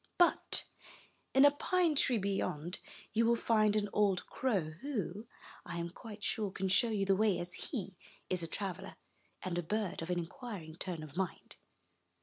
But in a pine tree beyond, you will find an old crow, who, I am quite sure, can show you the way, as he is a traveler, and a bird of an inquiring turn of mind."